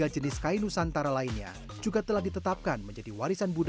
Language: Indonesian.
tiga jenis kain nusantara lainnya juga telah ditetapkan menjadi warisan budaya